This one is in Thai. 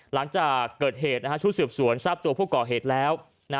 หลังจากเกิดเหตุชุดสืบสวน